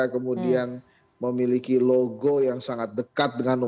kemudian memiliki logo yang sangat dekat dengan nu